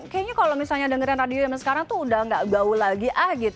kayaknya kalau misalnya dengerin radio yang sekarang tuh udah gak bau lagi